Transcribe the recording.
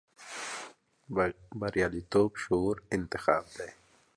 بریالیتوب شعوري انتخاب دی.